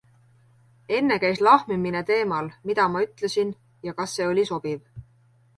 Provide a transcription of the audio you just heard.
Enne käis lahmimine teemal mida ma ütlesin ja kas see oli sobiv.